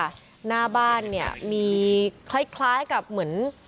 หน้าบ้านเนี่ยมีคล้ายกับเหมือน